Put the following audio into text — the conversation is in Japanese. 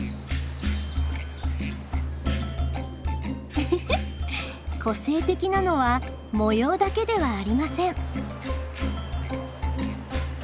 フフフ個性的なのは模様だけではありません。